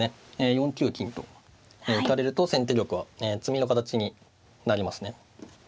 ４九金と打たれると先手玉は詰みの形になりますね。